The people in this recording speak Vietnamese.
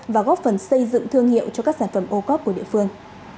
và góp phần xây dựng thương hiệu cho các sản phẩm ô cốp của địa phương